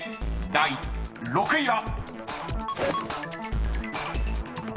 ［第５位は］